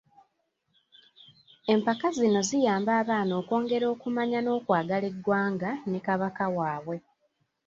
Empaka zino ziyamba abaana okwongera okumanya n'okwagala eggwanga ne Kabaka waabwe.